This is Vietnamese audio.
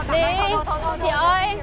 đi chị ơi